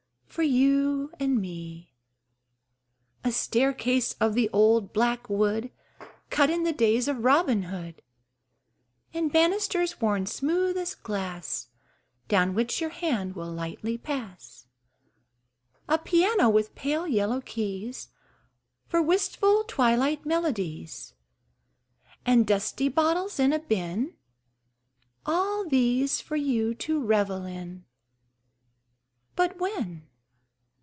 for you and me. A staircase of the old black wood Cut in the days of Robin Hood, And banisters worn smooth as glass Down which your hand will lightly pass; A piano with pale yellow keys For wistful twilight melodies, And dusty bottles in a bin All these for you to revel in! But when?